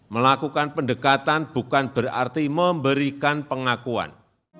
melakukan pendekatan bukan berarti memberikan pengakuan